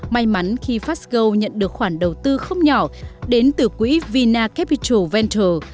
may mắn khi fastgo nhận được khoản đầu tư không nhỏ đến từ quỹ vina capital venture